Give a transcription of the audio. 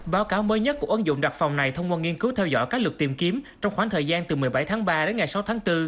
báo cáo mới nhất của ứng dụng đặc phòng này thông qua nghiên cứu theo dõi các lượt tìm kiếm trong khoảng thời gian từ một mươi bảy tháng ba đến ngày sáu tháng bốn